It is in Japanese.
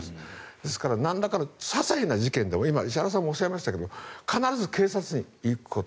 ですからなんらかのささいな事件でも今石原さんがおっしゃいましたが必ず警察に行くこと。